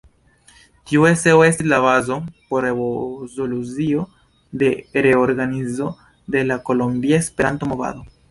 Tiu eseo estis la bazo por rezolucio de reorganizo de la Kolombia Esperanto-Movado.